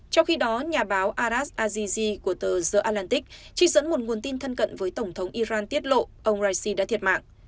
trong khi đó nhà báo aras azizi của tờ the atlantic trích dẫn một nguồn tin thân cận với tổng thống iran tiết lộ ông raisi đã thiệt mạng